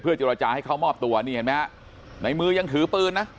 เพื่อจะรับจ่าให้เขามอบตัวนี่เห็นมั้ยฮะในมือยังถือปืนนะ